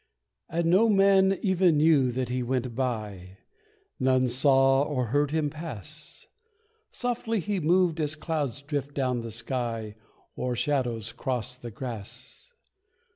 And no man even knew that he went by, None saw or heard him pass; Softly he moved as clouds drift down the sky, Or shadows cross the grass.